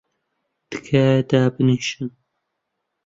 تکایە دابنیشن!